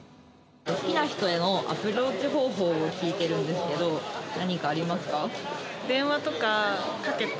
好きな人へのアプローチ方法を聞いてるんですけど何かありますか？